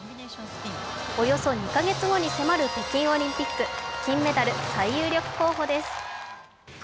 およそ２カ月後に迫る北京オリンピック、金メダル最有力候補です。